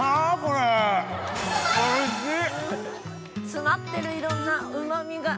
詰まってるいろんなうま味が。